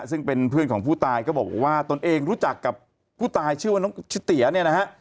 ซึ่งเป็นเพื่อนของผู้ตายก็บอกว่าตนเองรู้จักกับผู้ตายชื่อว่าน้องชิเตี๋ยเนี่ยนะฮะ